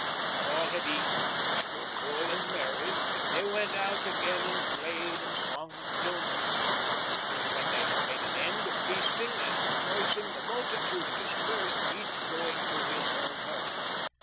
When all had eaten and were full and merry they went out again and played and sung till night, and when they had made an end of feasting and rejoicing the multitude dispersed, each going to his own home.